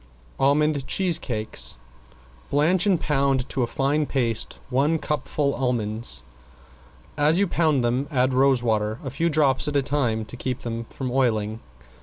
~ALMOND CHEESE CAKES~ Blanch and pound to a fine paste one cupful almonds. As you pound them add rose water, a few drops at a time to keep them from oiling.